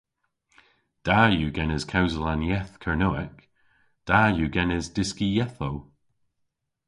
Da yw genes kewsel an yeth Kernewek. Da yw genes dyski yethow.